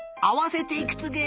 あわせていくつ？